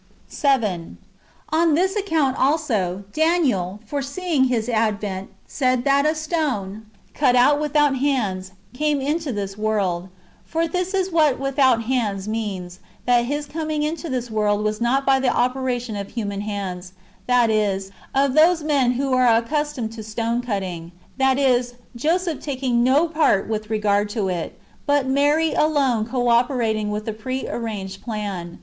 7. On this account also, Daniel,* foreseeing His advent, said that a stone, cut out without hands, came into this world. For this is what " without hands " means, that His coming into this world was not by the operation of human hands, that is, of those men who are accustomed to stone cutting ; that is, Joseph taking no part with regard to it, but Mary alone co operating with the pre arranged plan.